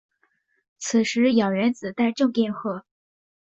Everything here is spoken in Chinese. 此时氧原子带正电荷。